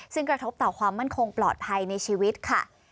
ซึ่งกระทบต่อความมั่นคงปลอดภัยในชีวิตค่ะ